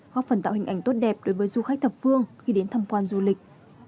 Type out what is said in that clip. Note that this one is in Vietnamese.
góp phần tạo hình ảnh tốt đẹp đối với du khách thập phương khi đến thăm quan du lịch